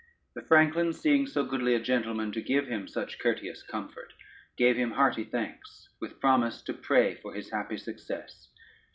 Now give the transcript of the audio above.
] The franklin, seeing so goodly a gentleman to give him such courteous comfort, gave him hearty thanks, with promise to pray for his happy success.